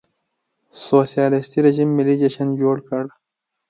سوسیالېستي رژیم ملي جشن جوړ کړ.